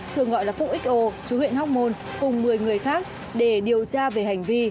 thường gọi là phúc xo chú huyện hóc môn cùng một mươi người khác để điều tra về hành vi